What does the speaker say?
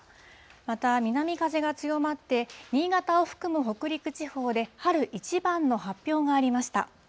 また、南風が強まって新潟を含む北陸地方で、春一番の発表がありました。